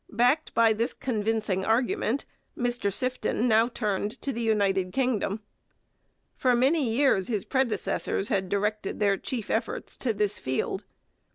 Backed by this convincing argument, Mr Sifton now turned to the United Kingdom. For many years his predecessors had directed their chief efforts to this field.